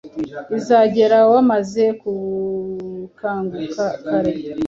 izagera wamaze gukanguka kare